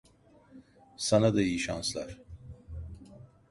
Sana da iyi şanslar.